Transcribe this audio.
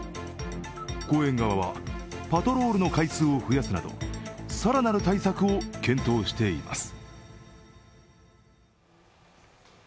公園側はパトロールの回数を増やすなど更なる対策を検討しています。